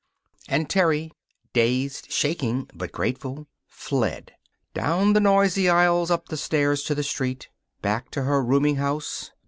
And Terry dazed, shaking, but grateful fled. Down the noisy aisle, up the stairs, to the street. Back to her rooming house.